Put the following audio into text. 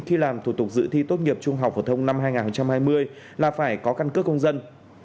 khi làm thủ tục dự thi tốt nghiệp trung học phổ thông năm hai nghìn hai mươi là phải có căn cước công dân